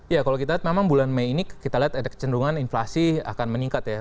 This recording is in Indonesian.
ya kalau kita lihat memang bulan mei ini kita lihat ada kecenderungan inflasi akan meningkat ya